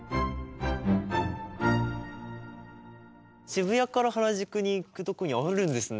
渋谷から原宿に行くとこにあるんですね。